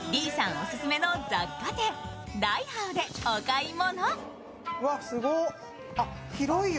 オススメの雑貨店ライハオでお買い物。